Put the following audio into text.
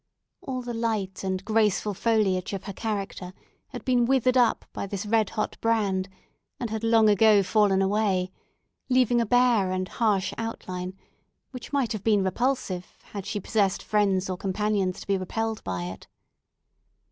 All the light and graceful foliage of her character had been withered up by this red hot brand, and had long ago fallen away, leaving a bare and harsh outline, which might have been repulsive had she possessed friends or companions to be repelled by it.